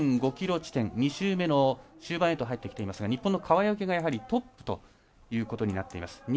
８．５ｋｍ地点２周目の終盤へと入ってきていますが日本の川除がトップということになっています。